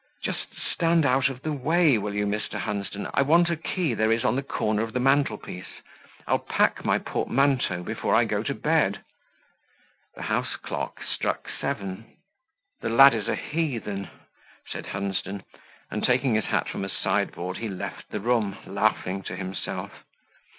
"Just stand out of the way, will you, Mr. Hunsden: I want a key there is on the corner of the mantelpiece. I'll pack my portmanteau before I go to bed." The house clock struck seven. "The lad is a heathen," said Hunsden, and taking his hat from a sideboard, he left the room, laughing to himself.